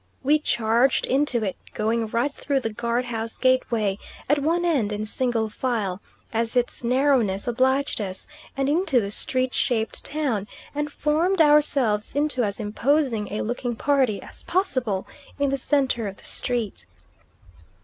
We charged into it, going right through the guard house gateway, at one end, in single file, as its narrowness obliged us, and into the street shaped town, and formed ourselves into as imposing a looking party as possible in the centre of the street.